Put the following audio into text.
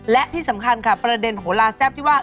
และที่สำคัญค่ะประเด็นโหลาแซ่บที่ว่า